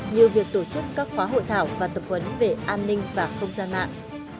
như việc tổ chức các khóa hội thảo và tập huấn về an ninh và không gian mạng